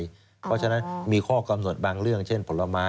เพราะฉะนั้นมีข้อกำหนดบางเรื่องเช่นผลไม้